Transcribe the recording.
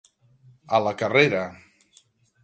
A la carrera.